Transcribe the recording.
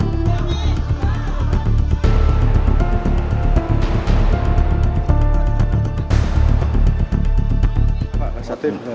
kita juga hanya memint throughput empat ratus dua saatnya dan mereka tidak ambil signal